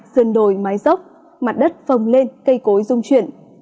sườn đồi mái dốc mặt đất phồng lên cây cối dung chuyển